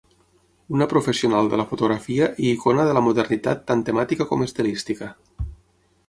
Una professional de la fotografia i icona de la modernitat tant temàtica com estilística.